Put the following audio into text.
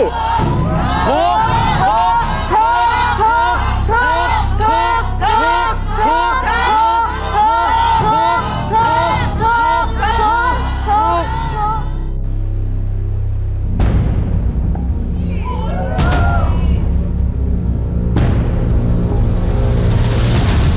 ถูกถูกถูกถูกถูกถูกถูก